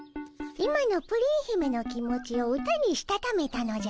今のプリン姫の気持ちを歌にしたためたのじゃ。